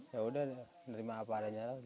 ya udah nerima apa adanya lagi